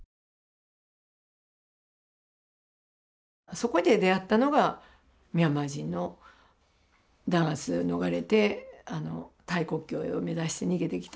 そこで出会ったのがミャンマー人の弾圧を逃れてタイ国境を目指して逃げて来た